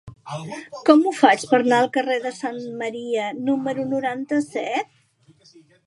Com ho faig per anar al carrer de Samaria número noranta-set?